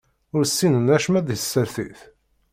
Ur ssinen acemma di tsertit.